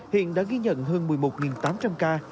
hiện đã ghi nhận hơn một mươi một tám trăm linh ca